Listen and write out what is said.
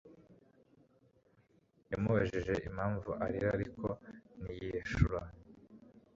Yamubajije impamvu arira ariko ntiyishura